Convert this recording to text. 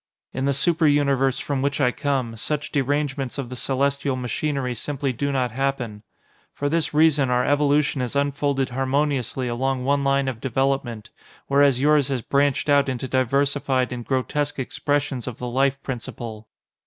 In the super universe from which I come, such derangements of the celestial machinery simply do not happen. For this reason, our evolution has unfolded harmoniously along one line of development, whereas yours has branched out into diversified and grotesque expressions of the Life Principle.